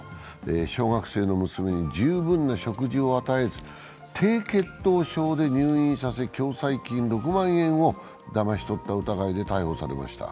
小学生の娘に十分な食事を与えず低血糖症で入院させ共済金６万円をだまし取った疑いで逮捕されました。